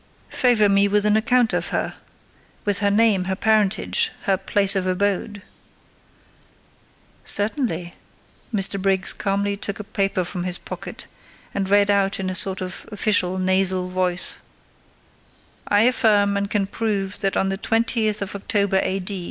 "Favour me with an account of her—with her name, her parentage, her place of abode." "Certainly." Mr. Briggs calmly took a paper from his pocket, and read out in a sort of official, nasal voice:— "'I affirm and can prove that on the 20th of October A.